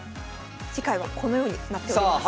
次回はこのようになっております。